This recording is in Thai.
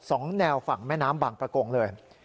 สองแนวฝั่งแม่น้ำบางประกงเลย